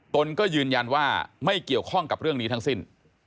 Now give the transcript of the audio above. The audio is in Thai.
ตนก็ยืนยันว่าไม่เกี่ยวข้องกับเรื่องนี้ทั้งสิ้น